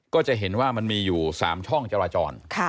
ก็จะเห็นว่ามันมีอยู่๓ช่องจราจร